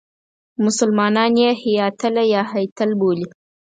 مسلمانان یې هیاتله یا هیتل بولي.